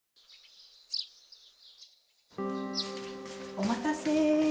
お待たせ。